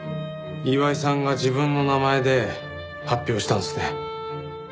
岩井さんが自分の名前で発表したんですね。